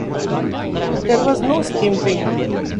There was no skimping.